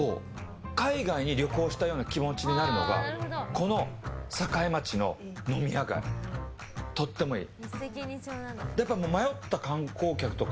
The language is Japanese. この栄町の飲み屋街とってもいい。